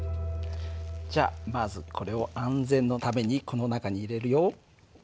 じゃあまずこれを安全のためにこの中に入れるよ。